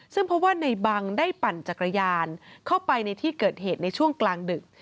ซึ่งเพราะว่าในบังได้ปั่นจักรยานเข้าไปในที่เกิดเหตุในช่วงกลางดึก